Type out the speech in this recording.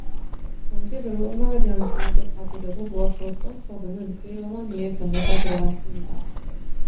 정식으로 음악에 대한 교육을 받으려고 모아 두었던 저금은 그의 어머니의 병에 다 들어갔습니다.